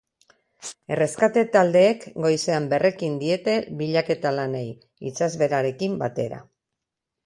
Erreskate taldeek goizean berrekin diete bilaketa lanei, itsasbeherarekin batera.